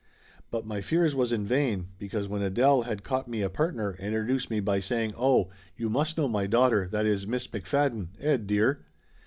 But my fears was in vain, because when Adele had caught me a partner and introduced me by saying, "Oh, you must know my daughter that is, Miss McFadden, Ed, dear